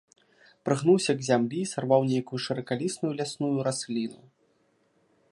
Прыгнуўся к зямлі, сарваў нейкую шыракалістую лясную расліну.